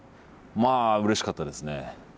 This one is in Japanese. まあうれしかったですね。